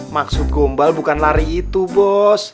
maksud gombal bukan lari itu bos